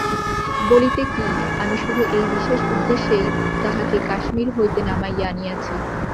বলিতে কি, আমি শুধু এই বিশেষ উদ্দেশ্যেই তাহাকে কাশ্মীর হইতে নামাইয়া আনিয়াছি।